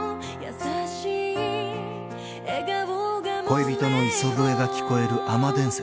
［恋人の磯笛が聞こえる海女伝説］